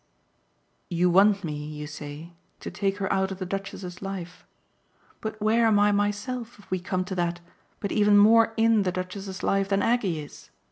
"You want me, you say, to take her out of the Duchess's life; but where am I myself, if we come to that, but even more IN the Duchess's life than Aggie is?